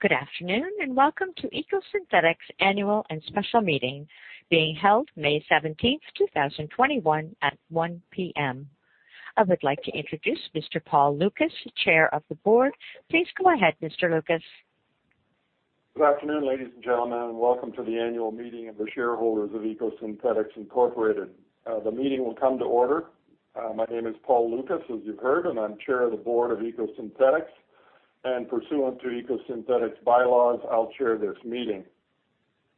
Good afternoon, welcome to EcoSynthetix Annual and Special Meeting being held May 17th, 2021, at 1:00 P.M. I would like to introduce Mr. Paul Lucas, Chair of the Board. Please go ahead, Mr. Lucas. Good afternoon, ladies and gentlemen, and welcome to the annual meeting of the shareholders of EcoSynthetix Incorporated. The meeting will come to order. My name is Paul Lucas, as you've heard, and I'm Chair of the Board of EcoSynthetix, and pursuant to EcoSynthetix bylaws, I'll Chair this meeting.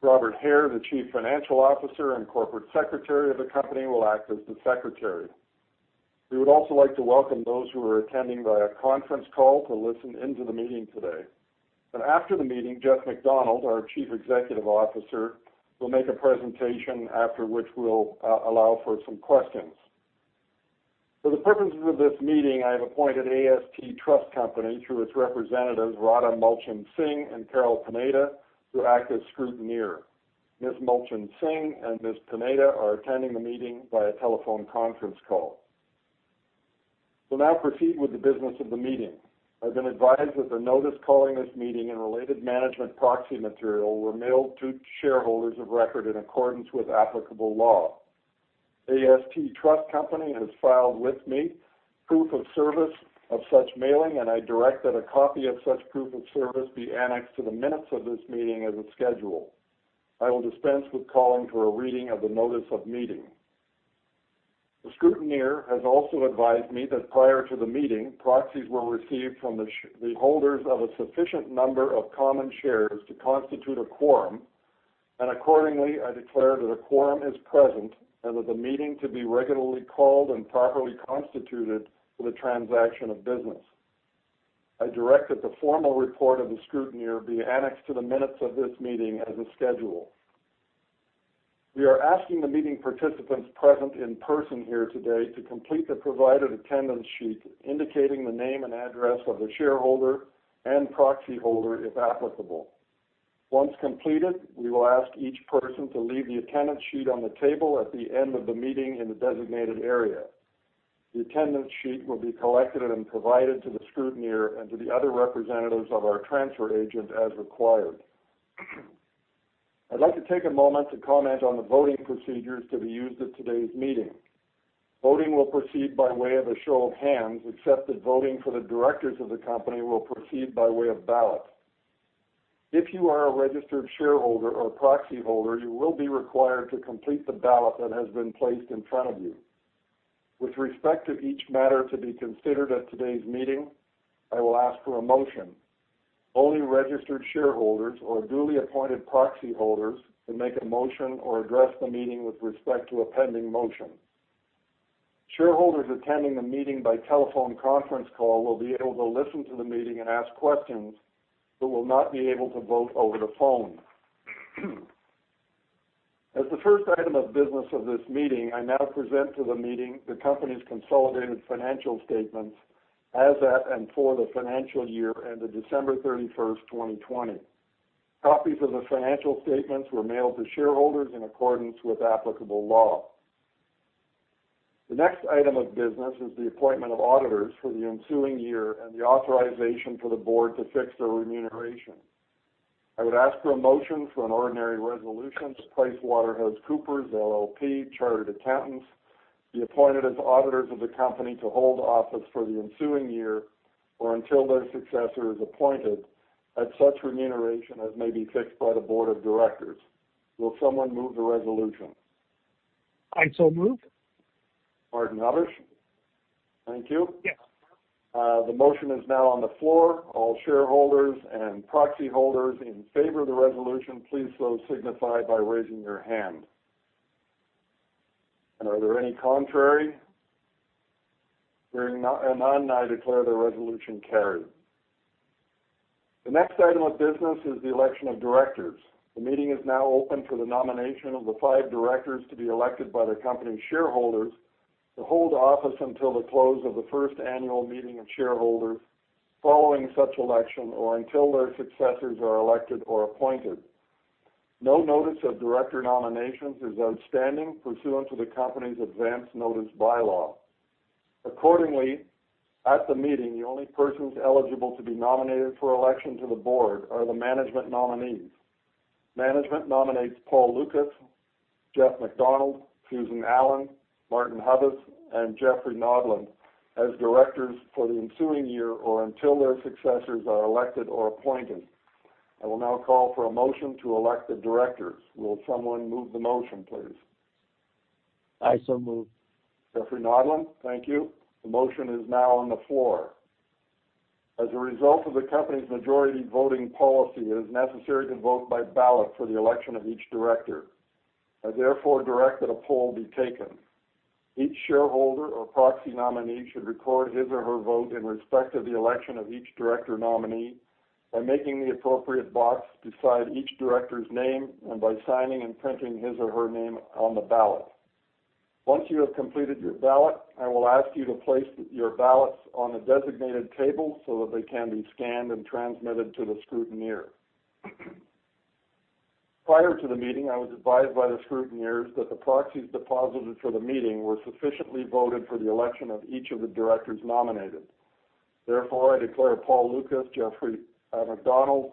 Robert Haire, the Chief Financial Officer and Corporate Secretary of the company, will act as the secretary. We would also like to welcome those who are attending via conference call to listen into the meeting today. After the meeting, Jeff MacDonald, our Chief Executive Officer, will make a presentation, after which we'll allow for some questions. For the purposes of this meeting, I have appointed AST Trust Company through its representatives, Radha Mulchan-Singh and Carol Pineda, to act as scrutineer. Ms. Mulchan-Singh and Ms. Pineda are attending the meeting via telephone conference call. We'll now proceed with the business of the meeting. I've been advised that the notice calling this meeting and related management proxy material were mailed to shareholders of record in accordance with applicable law. AST Trust Company has filed with me proof of service of such mailing, and I direct that a copy of such proof of service be annexed to the minutes of this meeting as a schedule. I will dispense with calling for a reading of the notice of meeting. The scrutineer has also advised me that prior to the meeting, proxies were received from the holders of a sufficient number of common shares to constitute a quorum, and accordingly, I declare that a quorum is present and that the meeting to be regularly called and properly constituted for the transaction of business. I direct that the formal report of the scrutineer be annexed to the minutes of this meeting as a schedule. We are asking the meeting participants present in person here today to complete the provided attendance sheet, indicating the name and address of the shareholder and proxyholder, if applicable. Once completed, we will ask each person to leave the attendance sheet on the table at the end of the meeting in the designated area. The attendance sheet will be collected and provided to the scrutineer and to the other representatives of our transfer agent as required. I'd like to take a moment to comment on the voting procedures to be used at today's meeting. Voting will proceed by way of a show of hands, except that voting for the directors of the company will proceed by way of ballot. If you are a registered shareholder or proxyholder, you will be required to complete the ballot that has been placed in front of you. With respect to each matter to be considered at today's meeting, I will ask for a motion. Only registered shareholders or duly appointed proxyholders can make a motion or address the meeting with respect to a pending motion. Shareholders attending the meeting by telephone conference call will be able to listen to the meeting and ask questions but will not be able to vote over the phone. As the first item of business of this meeting, I now present to the meeting the company's consolidated financial statements as at and for the financial year ended December 31st, 2020. Copies of the financial statements were mailed to shareholders in accordance with applicable law. The next item of business is the appointment of auditors for the ensuing year and the authorization for the board to fix their remuneration. I would ask for a motion for an ordinary resolution to PricewaterhouseCoopers LLP Chartered Accountants be appointed as auditors of the company to hold office for the ensuing year or until their successor is appointed at such remuneration as may be fixed by the board of directors. Will someone move the resolution? I so move. Martin Hubbes. Thank you. Yes. The motion is now on the floor. All shareholders and proxyholders in favor of the resolution, please so signify by raising your hand. Are there any contrary? Hearing none, I declare the resolution carried. The next item of business is the election of directors. The meeting is now open for the nomination of the five directors to be elected by the company shareholders to hold office until the close of the first annual meeting of shareholders following such election or until their successors are elected or appointed. No notice of director nominations is outstanding pursuant to the company's advance notice bylaw. Accordingly, at the meeting, the only persons eligible to be nominated for election to the board are the management nominees. Management nominates Paul Lucas, Jeff MacDonald, Susan Allen, Martin Hubbes, and Jeffrey Nodland as directors for the ensuing year or until their successors are elected or appointed. I will now call for a motion to elect the directors. Will someone move the motion, please? I so move. Jeffrey Nodland. Thank you. The motion is now on the floor. As a result of the company's majority voting policy, it is necessary to vote by ballot for the election of each director. I therefore direct that a poll be taken. Each shareholder or proxy nominee should record his or her vote in respect of the election of each director nominee by marking the appropriate box beside each director's name and by signing and printing his or her name on the ballot. Once you have completed your ballot, I will ask you to place your ballots on a designated table so that they can be scanned and transmitted to the scrutineer. Prior to the meeting, I was advised by the scrutineers that the proxies deposited for the meeting were sufficiently voted for the election of each of the directors nominated. Therefore, I declare Paul Lucas, Jeff MacDonald,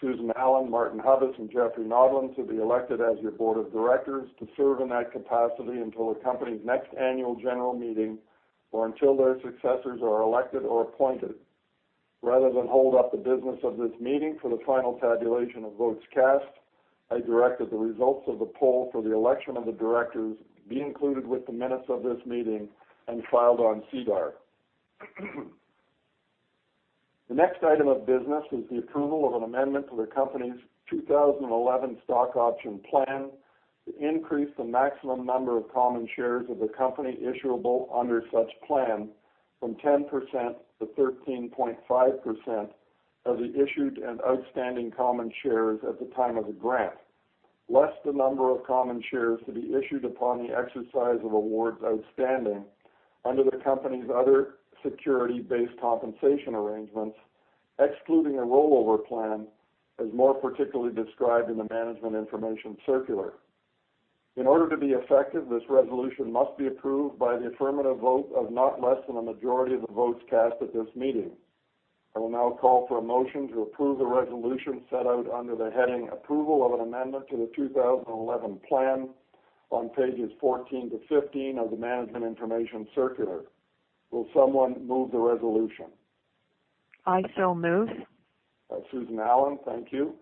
Susan Allen, Martin Hubbes, and Jeffrey Nodland to be elected as your board of directors to serve in that capacity until the company's next annual general meeting, or until their successors are elected or appointed. Rather than hold up the business of this meeting for the final tabulation of votes cast, I direct that the results of the poll for the election of the directors be included with the minutes of this meeting and filed on SEDAR. The next item of business is the approval of an amendment to the company's 2011 stock option plan to increase the maximum number of common shares of the company issuable under such plan from 10% to 13.5% of the issued and outstanding common shares at the time of the grant, less the number of common shares to be issued upon the exercise of awards outstanding under the company's other security-based compensation arrangements, excluding a rollover plan, as more particularly described in the management information circular. In order to be effective, this resolution must be approved by the affirmative vote of not less than a majority of the votes cast at this meeting. I will now call for a motion to approve the resolution set out under the heading "Approval of an Amendment to the 2011 Plan" on pages 14 to 15 of the management information circular. Will someone move the resolution? I so move. Susan Allen, thank you.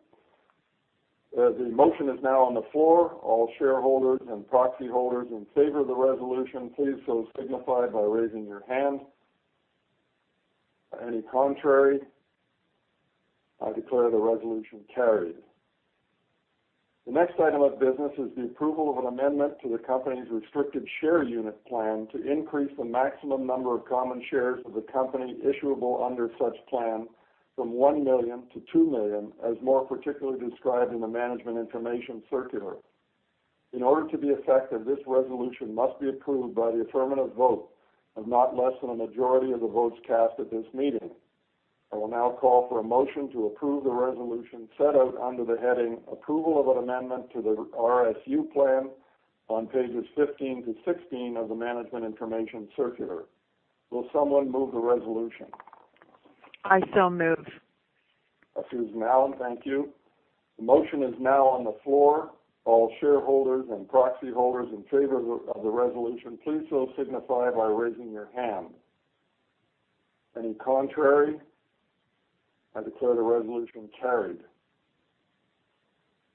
The motion is now on the floor. All shareholders and proxy holders in favor of the resolution, please so signify by raising your hand. Any contrary? I declare the resolution carried. The next item of business is the approval of an amendment to the company's Restricted Share Unit Plan to increase the maximum number of common shares of the company issuable under such plan from 1 million to 2 million, as more particularly described in the management information circular. In order to be effective, this resolution must be approved by the affirmative vote of not less than a majority of the votes cast at this meeting. I will now call for a motion to approve the resolution set out under the heading "Approval of an Amendment to the RSU Plan" on pages 15-16 of the management information circular. Will someone move the resolution? I so move. Susan Allen, thank you. The motion is now on the floor. All shareholders and proxy holders in favor of the resolution, please so signify by raising your hand. Any contrary? I declare the resolution carried.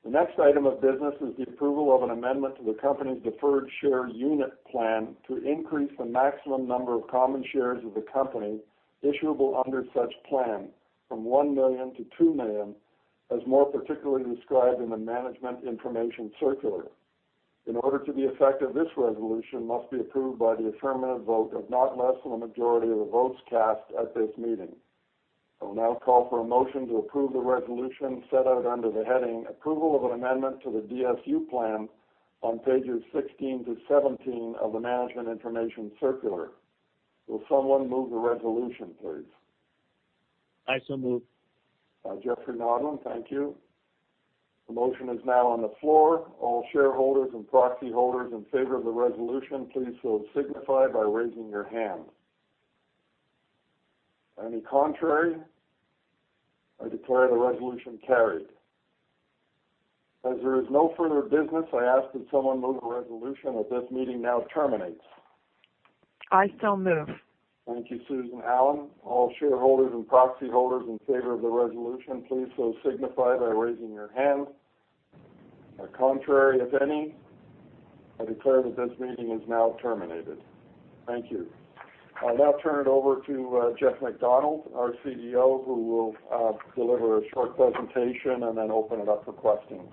The next item of business is the approval of an amendment to the company's Deferred Share Unit Plan to increase the maximum number of common shares of the company issuable under such plan from 1 million-2 million, as more particularly described in the management information circular. In order to be effective, this resolution must be approved by the affirmative vote of not less than a majority of the votes cast at this meeting. I will now call for a motion to approve the resolution set out under the heading "Approval of an Amendment to the DSU Plan" on pages 16-17 of the management information circular. Will someone move the resolution, please? I so move. Jeffrey Nodland, thank you. The motion is now on the floor. All shareholders and proxy holders in favor of the resolution, please so signify by raising your hand. Any contrary? I declare the resolution carried. As there is no further business, I ask that someone move the resolution that this meeting now terminates. I so move. Thank you, Susan Allen. All shareholders and proxy holders in favor of the resolution, please so signify by raising your hand. Any contrary, if any? I declare that this meeting is now terminated. Thank you. I'll now turn it over to Jeff MacDonald, our CEO, who will deliver a short presentation and then open it up for questions.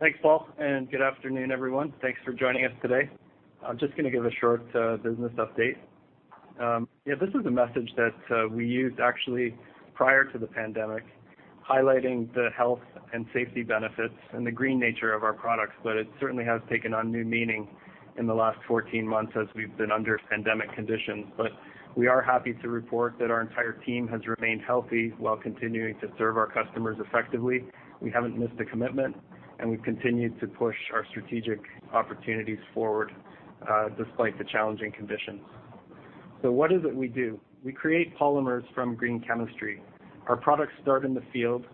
Thanks, Paul, and good afternoon, everyone. Thanks for joining us today. I'm just going to give a short business update. This is a message that we used actually prior to the pandemic, highlighting the health and safety benefits and the green nature of our products. It certainly has taken on new meaning in the last 14 months as we've been under pandemic conditions. We are happy to report that our entire team has remained healthy while continuing to serve our customers effectively. We haven't missed a commitment, and we've continued to push our strategic opportunities forward despite the challenging conditions. What is it we do? We create polymers from green chemistry. Our products start in the field.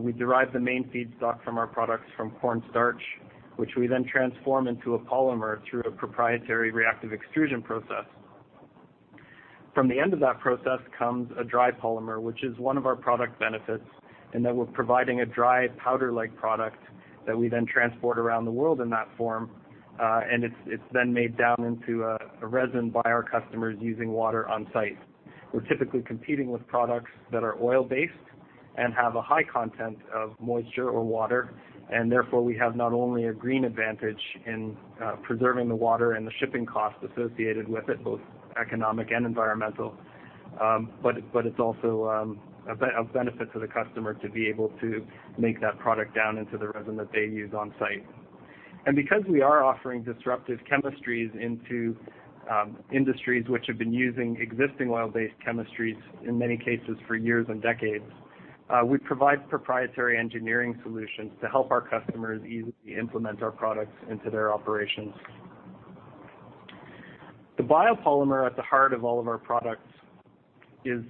We derive the main feedstock from our products from corn starch, which we then transform into a polymer through a proprietary reactive extrusion process. From the end of that process comes a dry polymer, which is one of our product benefits, in that we're providing a dry, powder-like product that we then transport around the world in that form. It's then made down into a resin by our customers using water on-site. We're typically competing with products that are oil-based and have a high content of moisture or water, and therefore, we have not only a green advantage in preserving the water and the shipping cost associated with it, both economic and environmental, but it's also a benefit to the customer to be able to make that product down into the resin that they use on-site. Because we are offering disruptive chemistries into industries which have been using existing oil-based chemistries, in many cases for years and decades, we provide proprietary engineering solutions to help our customers easily implement our products into their operations. The biopolymer at the heart of all of our products is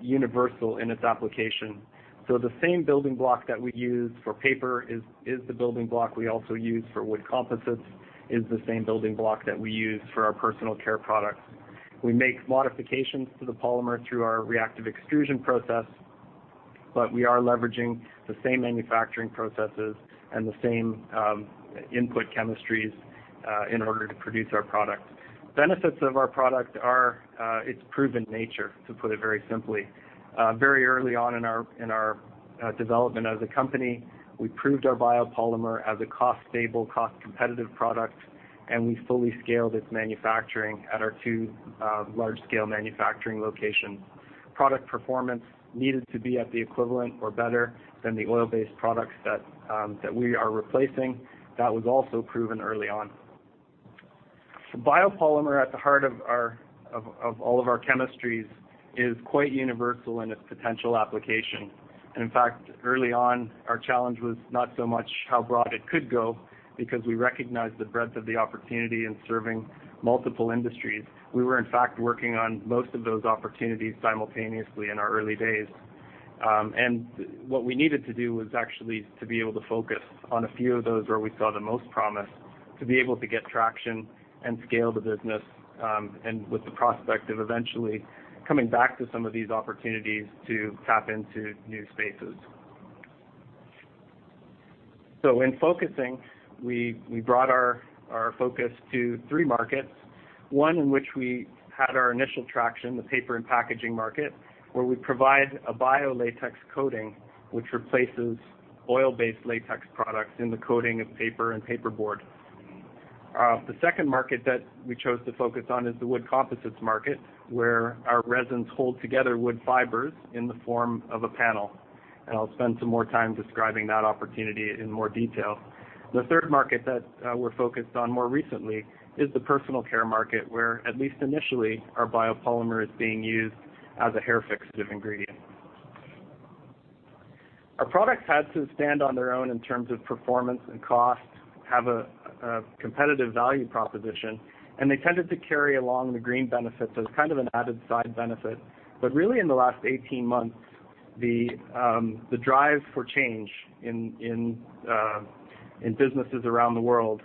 universal in its application. The same building block that we use for paper is the building block we also use for wood composites, is the same building block that we use for our personal care products. We make modifications to the polymer through our reactive extrusion process, but we are leveraging the same manufacturing processes and the same input chemistries in order to produce our products. Benefits of our product are its proven nature, to put it very simply. Very early on in our development as a company, we proved our biopolymer as a cost-stable, cost-competitive product, and we fully scaled its manufacturing at our two large-scale manufacturing locations. Product performance needed to be at the equivalent or better than the oil-based products that we are replacing. That was also proven early on. The biopolymer at the heart of all of our chemistries is quite universal in its potential application. In fact, early on, our challenge was not so much how broad it could go because we recognized the breadth of the opportunity in serving multiple industries. We were, in fact, working on most of those opportunities simultaneously in our early days. What we needed to do was actually to be able to focus on a few of those where we saw the most promise to be able to get traction and scale the business, and with the prospect of eventually coming back to some of these opportunities to tap into new spaces. In focusing, we brought our focus to three markets, one in which we had our initial traction, the paper and packaging market, where we provide a biolatex coating, which replaces oil-based latex products in the coating of paper and paperboard. The second market that we chose to focus on is the wood composites market, where our resins hold together wood fibers in the form of a panel. I'll spend some more time describing that opportunity in more detail. The third market that we're focused on more recently is the personal care market, where, at least initially, our biopolymer is being used as a hair fixative ingredient. Our products had to stand on their own in terms of performance and cost, have a competitive value proposition, and they tended to carry along the green benefits as kind of an added side benefit. Really, in the last 18 months, the drive for change in businesses around the world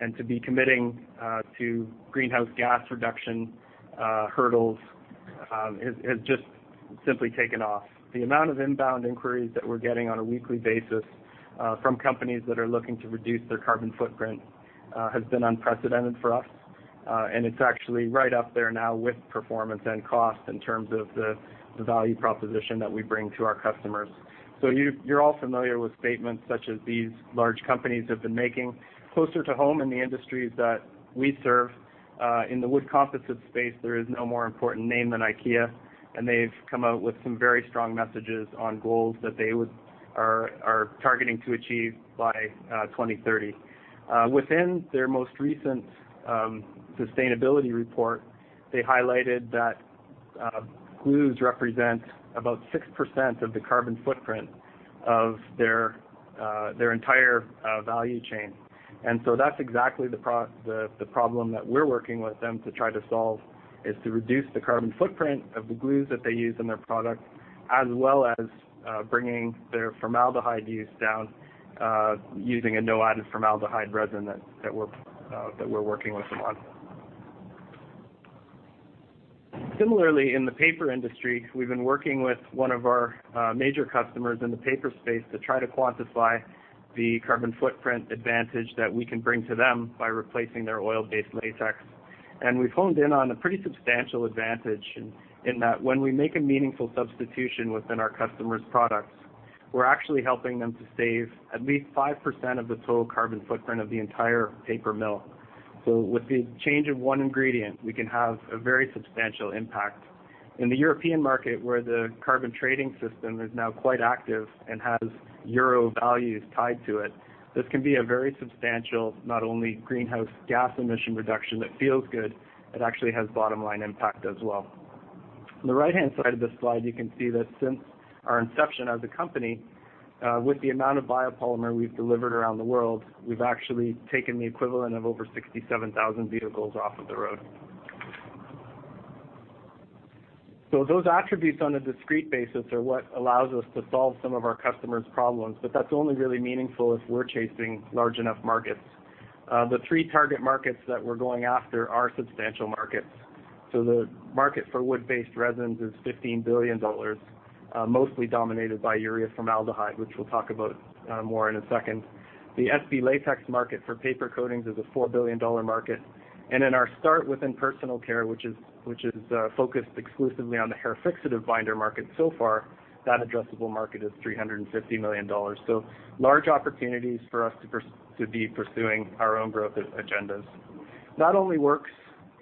and to be committing to greenhouse gas reduction hurdles has just simply taken off. The amount of inbound inquiries that we're getting on a weekly basis from companies that are looking to reduce their carbon footprint has been unprecedented for us. It's actually right up there now with performance and cost in terms of the value proposition that we bring to our customers. You're all familiar with statements such as these large companies have been making. Closer to home in the industries that we serve, in the wood composite space, there is no more important name than IKEA, and they've come out with some very strong messages on goals that they are targeting to achieve by 2030. Within their most recent sustainability report, they highlighted that glues represent about 6% of the carbon footprint of their entire value chain. That's exactly the problem that we're working with them to try to solve, is to reduce the carbon footprint of the glues that they use in their products, as well as bringing their formaldehyde use down using a no-added formaldehyde resin that we're working with them on. Similarly, in the paper industry, we've been working with one of our major customers in the paper space to try to quantify the carbon footprint advantage that we can bring to them by replacing their oil-based latex. We've honed in on a pretty substantial advantage in that when we make a meaningful substitution within our customers' products, we're actually helping them to save at least 5% of the total carbon footprint of the entire paper mill. With the change of one ingredient, we can have a very substantial impact. In the European market, where the carbon trading system is now quite active and has euro values tied to it, this can be a very substantial, not only greenhouse gas emission reduction that feels good, it actually has bottom-line impact as well. On the right-hand side of the slide, you can see that since our inception as a company, with the amount of biopolymer we've delivered around the world, we've actually taken the equivalent of over 67,000 vehicles off of the road. Those attributes on a discrete basis are what allows us to solve some of our customers' problems, but that's only really meaningful if we're chasing large enough markets. The three target markets that we're going after are substantial markets. The market for wood-based resins is 15 billion dollars, mostly dominated by urea formaldehyde, which we'll talk about more in a second. The SB latex market for paper coatings is a 4 billion dollar market. In our start within personal care, which is focused exclusively on the hair fixative binder market so far, that addressable market is 350 million dollars. Large opportunities for us to be pursuing our own growth agendas. That only works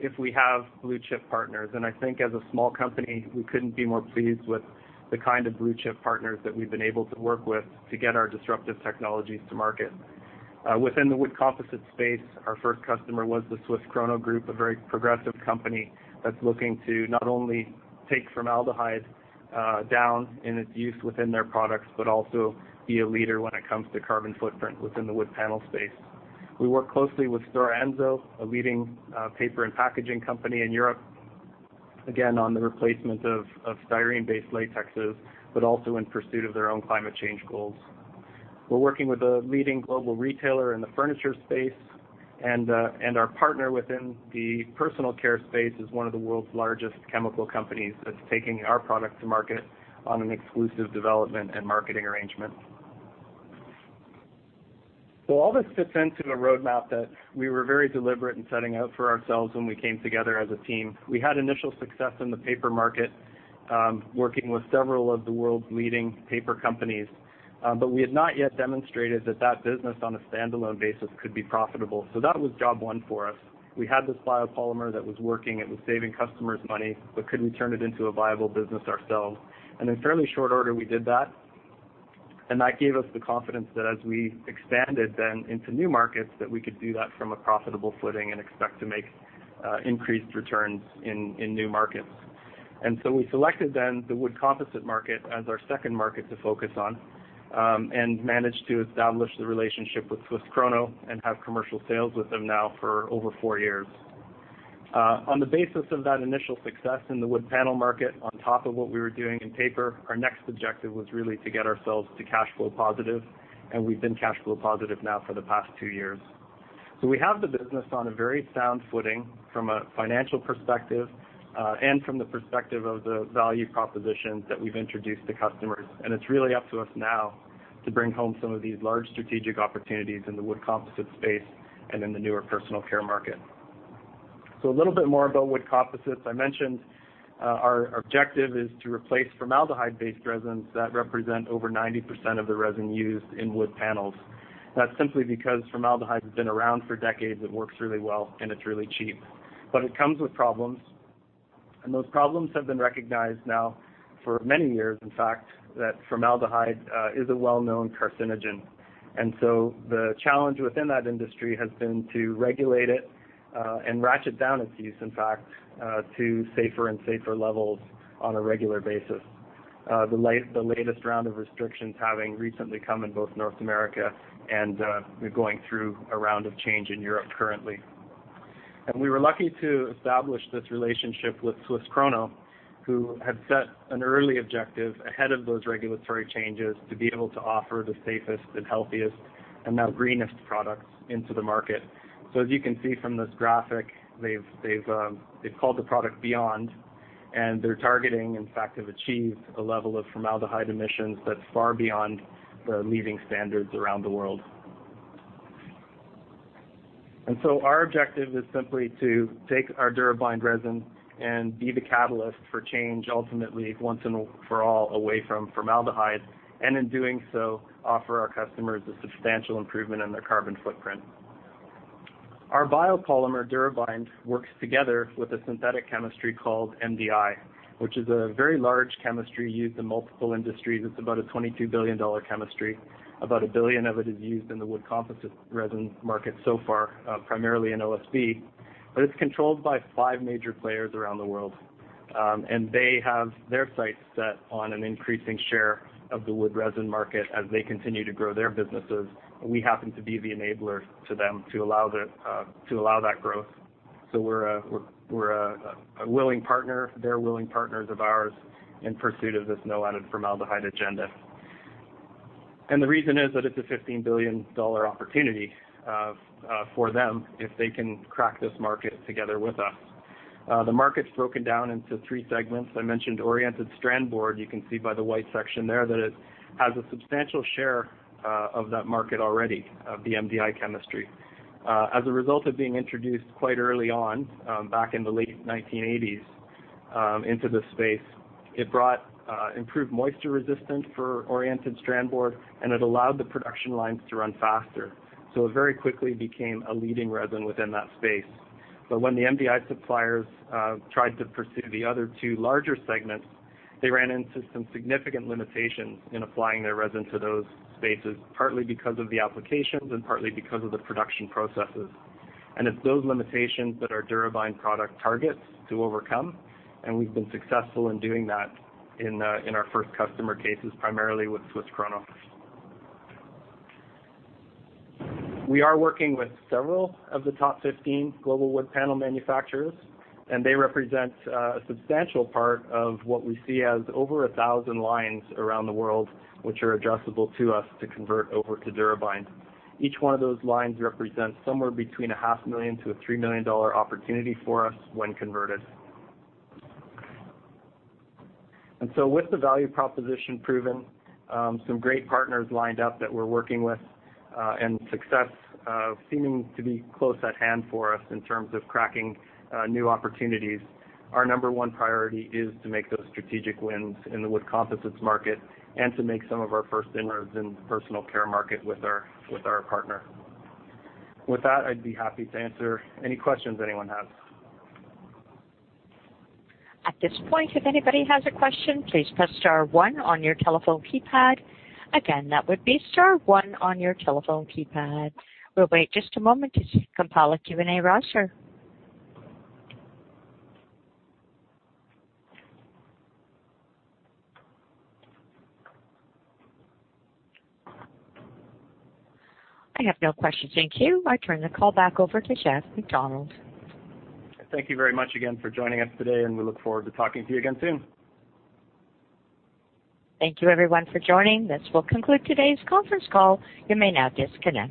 if we have blue-chip partners, and I think as a small company, we couldn't be more pleased with the kind of blue-chip partners that we've been able to work with to get our disruptive technologies to market. Within the wood composite space, our first customer was the SWISS KRONO Group, a very progressive company that's looking to not only take formaldehyde down in its use within their products, but also be a leader when it comes to carbon footprint within the wood panel space. We work closely with Stora Enso, a leading paper and packaging company in Europe, again, on the replacement of styrene-based latexes, but also in pursuit of their own climate change goals. We're working with a leading global retailer in the furniture space. Our partner within the personal care space is one of the world's largest chemical companies that's taking our product to market on an exclusive development and marketing arrangement. All this fits into a roadmap that we were very deliberate in setting out for ourselves when we came together as a team. We had initial success in the paper market, working with several of the world's leading paper companies. We had not yet demonstrated that that business on a standalone basis could be profitable. That was job one for us. We had this biopolymer that was working, it was saving customers money. Could we turn it into a viable business ourselves? In fairly short order, we did that, and that gave us the confidence that as we expanded then into new markets, that we could do that from a profitable footing and expect to make increased returns in new markets. We selected then the wood composite market as our second market to focus on, and managed to establish the relationship with SWISS KRONO and have commercial sales with them now for over four years. On the basis of that initial success in the wood panel market, on top of what we were doing in paper, our next objective was really to get ourselves to cash flow positive, and we've been cash flow positive now for the past two years. We have the business on a very sound footing from a financial perspective, and from the perspective of the value propositions that we've introduced to customers. It's really up to us now to bring home some of these large strategic opportunities in the wood composite space and in the newer personal care market. A little bit more about wood composites. I mentioned our objective is to replace formaldehyde-based resins that represent over 90% of the resin used in wood panels. That's simply because formaldehyde has been around for decades. It works really well, and it's really cheap. It comes with problems, and those problems have been recognized now for many years, in fact, that formaldehyde is a well-known carcinogen. The challenge within that industry has been to regulate it, and ratchet down its use, in fact, to safer and safer levels on a regular basis. The latest round of restrictions having recently come in both North America and we're going through a round of change in Europe currently. We were lucky to establish this relationship with SWISS KRONO, who had set an early objective ahead of those regulatory changes to be able to offer the safest and healthiest and now greenest products into the market. As you can see from this graphic, they've called the product BE.YOND, and they're targeting, in fact, have achieved a level of formaldehyde emissions that's far beyond the leading standards around the world. Our objective is simply to take our DuraBind resin and be the catalyst for change, ultimately, once and for all, away from formaldehyde, and in doing so, offer our customers a substantial improvement in their carbon footprint. Our biopolymer, DuraBind, works together with a synthetic chemistry called MDI, which is a very large chemistry used in multiple industries. It's about a 22 billion dollar chemistry. About 1 billion of it is used in the wood composite resin market so far, primarily in OSB. It's controlled by five major players around the world, and they have their sights set on an increasing share of the wood resin market as they continue to grow their businesses. We happen to be the enabler to them to allow that growth. We're a willing partner. They're willing partners of ours in pursuit of this no added formaldehyde agenda. The reason is that it's a 15 billion dollar opportunity for them if they can crack this market together with us. The market's broken down into three segments. I mentioned oriented strand board. You can see by the white section there that it has a substantial share of that market already, of the MDI chemistry. As a result of being introduced quite early on, back in the late 1980s, into this space, it brought improved moisture resistance for oriented strand board, and it allowed the production lines to run faster. It very quickly became a leading resin within that space. When the MDI suppliers tried to pursue the other two larger segments, they ran into some significant limitations in applying their resin to those spaces, partly because of the applications and partly because of the production processes. It's those limitations that our DuraBind product targets to overcome, and we've been successful in doing that in our first customer cases, primarily with SWISS KRONO. We are working with several of the top 15 global wood panel manufacturers, they represent a substantial part of what we see as over 1,000 lines around the world, which are addressable to us to convert over to DuraBind. Each one of those lines represents somewhere between a half million to a 3 million dollar opportunity for us when converted. With the value proposition proven, some great partners lined up that we're working with, and success seeming to be close at hand for us in terms of cracking new opportunities, our number one priority is to make those strategic wins in the wood composites market and to make some of our first inroads in the personal care market with our partner. With that, I'd be happy to answer any questions anyone has. At this point, if anybody has a question, please press star one on your telephone keypad. Again, that would be star one on your telephone keypad. We'll wait just a moment to compile a Q&A roster. I have no questions. Thank you. I turn the call back over to Jeff MacDonald. Thank you very much again for joining us today. We look forward to talking to you again soon. Thank you, everyone, for joining. This will conclude today's conference call. You may now disconnect.